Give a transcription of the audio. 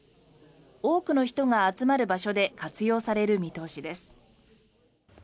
多くの人が集まる場所で活用される見通しです。